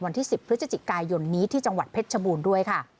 วันที่๑๐พฤศจิกายนนี้ที่จังหวัดเพชรชบูรณ์ด้วยค่ะ